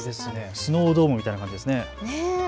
スノードームみたいな感じですね。